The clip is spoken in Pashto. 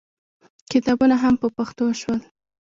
کتابونه هم په پښتو شول.